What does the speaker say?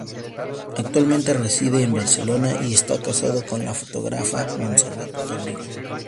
Actualmente reside en Barcelona y está casado con la fotógrafa Montserrat Garriga.